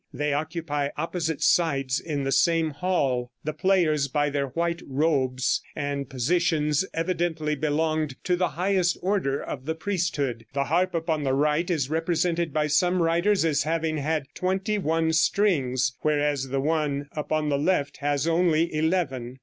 They occupy opposite sides in the same hall. The players, by their white robes and positions, evidently belonged to the highest order of the priesthood. The harp upon the right is represented by some writers as having had twenty one strings; whereas the one upon the left has only eleven.